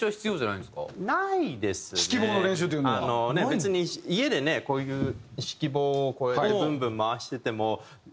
別に家でねこういう指揮棒をこうやってブンブン回してても。